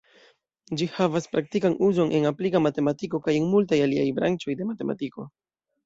Ĝi havas praktikan uzon en aplika matematiko kaj en multaj aliaj branĉoj de matematiko.